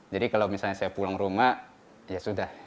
jadi kalau misalnya saya pulang rumah ya sudah